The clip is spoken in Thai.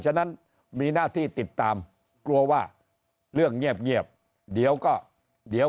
ฉะนั้นมีหน้าที่ติดตามกลัวว่าเรื่องเงียบเดี๋ยวก็เดี๋ยว